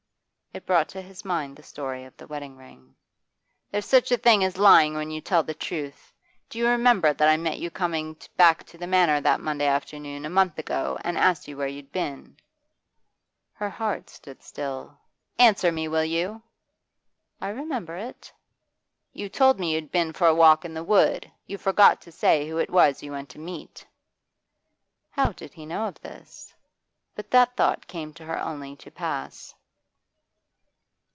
It brought to his mind the story of the wedding ring. 'There's such a thing as lying when you tell the truth. Do you remember that I met you coming back to the Manor that Monday afternoon, a month ago, and asked you where you'd been?' Her heart stood still. 'Answer me, will you?' 'I remember it.' 'You told me you'd been for a walk in the wood. You forgot to say who it was you went to meet.' How did he know of this? But that thought came to her only to pass.